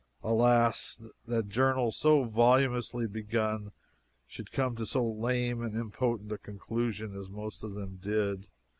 Alas! that journals so voluminously begun should come to so lame and impotent a conclusion as most of them did!